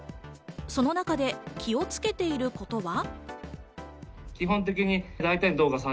その中で気をつけていることは？